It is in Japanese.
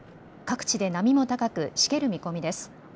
各地で波も高くしける見込みです。